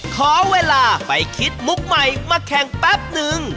ขอเวลาไปคิดมุกใหม่มาแข่งแป๊บนึง